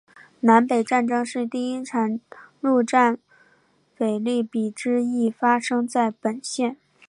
南北战争第一场陆战腓立比之役发生在本县。